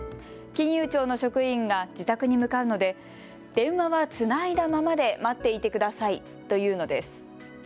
金融庁の職員が自宅に向かうので電話はつないだままで待っていてくださいと言うのです。